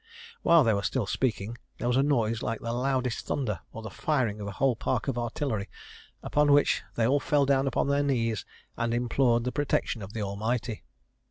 While they were still speaking, there was a noise like the loudest thunder, or the firing of a whole park of artillery; upon which they all fell down upon their knees and implored the protection of the Almighty.